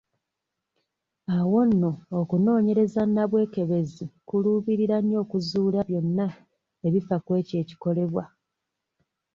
Awo nno okunooneyereza nabwekebezzi kuluubirira nnyo okuzuula byonna ebifa kw'ekyo ekikolebwa.